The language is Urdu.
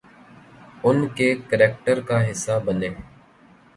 ان کے کریکٹر کا حصہ بنیں۔